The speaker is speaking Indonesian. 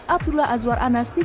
abdullah azwar anas nikunjil